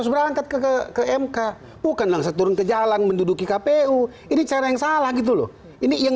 berangkat ke ke mk bukan langsung turun ke jalan menduduki kpu ini cara yang salah gitu loh ini yang